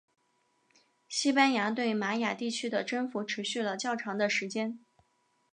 西班牙对玛雅地区的征服持续了较长的时间。